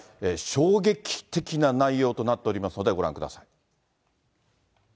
衝撃的な内容となっておりますので、ご覧ください。